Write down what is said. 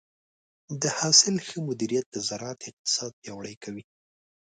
د حاصل ښه مدیریت د زراعت اقتصاد پیاوړی کوي.